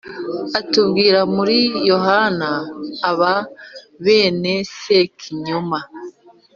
atubwira muri Yohani Aba bene Sekinyoma, "